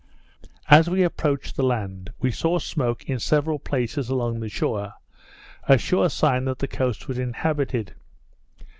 As we approached the land, we saw smoke in several places along the shore; a sure sign that the coast was inhabited.